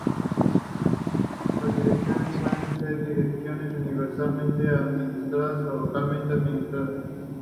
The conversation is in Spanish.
Las direcciones pueden ser "direcciones universalmente administradas" o "localmente administradas".